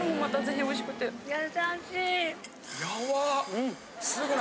優しい。